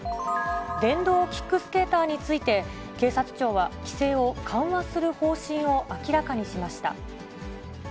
電動キックスケーターについて、警察庁は規制を緩和する方針を明らかにしました。